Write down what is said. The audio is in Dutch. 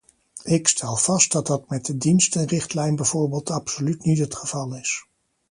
Ik stel vast dat dat met de dienstenrichtlijn bijvoorbeeld absoluut niet het geval is.